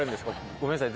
ごめんなさい。